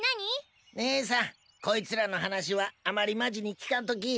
ねえさんこいつらの話はあまりマジに聞かんとき。